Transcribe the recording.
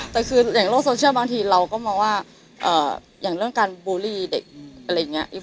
แต่คืออย่างโลกโซเชียลบางทีเราก็มองว่าอย่างเรื่องการบูลลี่เด็กอะไรอย่างนี้